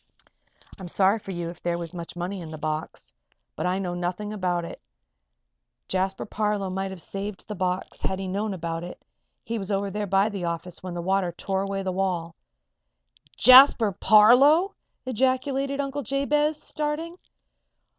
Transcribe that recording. "I'm sorry for you if there was much money in the box. But I know nothing about it. Jasper Parloe might have saved the box had he known about it; he was over there by the office when the water tore away the wall." "Jasper Parloe!" ejaculated Uncle Jabez, starting.